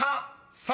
さあ